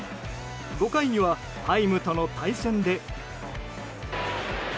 ５回にはハイムとの対戦で。